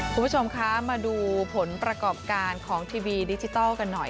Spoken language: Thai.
คุณผู้ชมคะมาดูผลประกอบการของทีวีดิจิทัลกันหน่อย